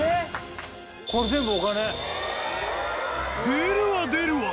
［出るわ出るわ！